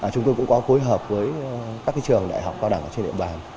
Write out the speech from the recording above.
chúng tôi cũng có phối hợp với các cái trường đại học cao đẳng ở trên địa bàn